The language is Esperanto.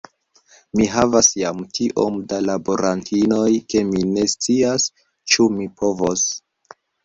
Mi havas jam tiom da laborantinoj, ke mi ne scias, ĉu mi povos.